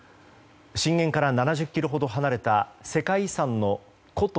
震源から７０ｋｍほど離れた世界遺産の古都